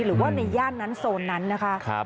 หรือว่าในย่านนั้นโซนนั้นนะคะ